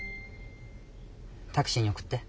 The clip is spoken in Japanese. タクシーにおくって。